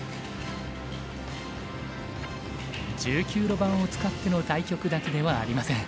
路盤を使っての対局だけではありません。